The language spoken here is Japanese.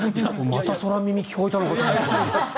また空耳が聞こえたのかと。